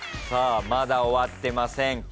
さあまだ終わってません。